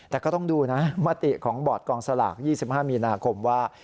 แต่ก็ต้องดูนะมติของบอร์ดกองสลาก๒๕มีนาคมว่า